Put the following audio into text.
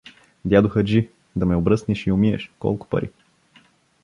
— Дядо хаджи, да ме обръснеш и умиеш — колко пари?